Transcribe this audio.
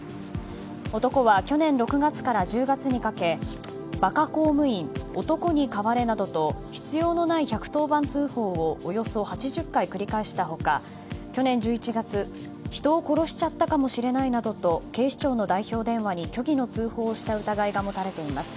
男は去年６月から１０月にかけ馬鹿公務員、男に代われなどと必要のない１１０番通報をおよそ８０回繰り返した他去年１１月、人を殺しちゃったかもしれないなどと警視庁の代表電話に虚偽の通報をした疑いが持たれています。